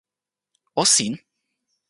o sin!